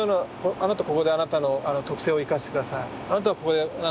あなたはここであなたの特性を生かして下さい。